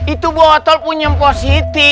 itu botol punya mpositi